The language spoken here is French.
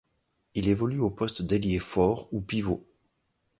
Il évolue aux postes d'ailier fort ou pivot.